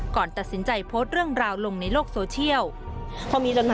ก่อนตัดสินใจโพสต์เรื่องราวลงในโลกโซเชียล